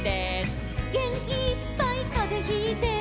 「げんきいっぱいかぜひいて」